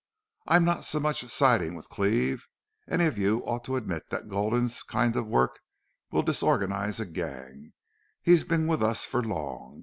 I'm not so much siding with Cleve. Any of you ought to admit that Gulden's kind of work will disorganize a gang. He's been with us for long.